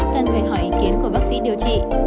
cần phải hỏi ý kiến của bác sĩ điều trị